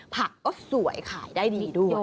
ผักก็สวยขายได้ดีด้วย